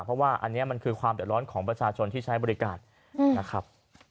เพราะว่าอันนี้มันคือความเดือดร้อนของประชาชนที่ใช้บริการนะครับ